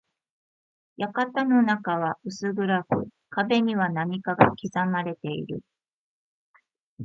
館の中は薄暗く、壁には何かが刻まれている。